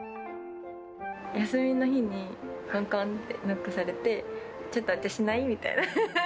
休みの日に、こんこんってノックされて、ちょっとお茶しない？みたいな。